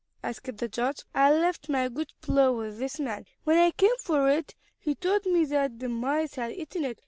asked the judge. "I left my good plow with this man. When I came for it he told me that the mice had eaten it.